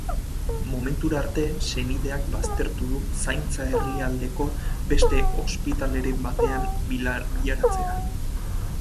Momentura arte, senideak baztertu du zaintza herrialdeko beste ospitaleren batean bilatzea.